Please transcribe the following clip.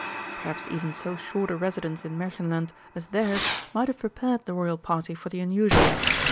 Perhaps even so short a residence in Märchenland as theirs might have prepared the Royal party for the unusual.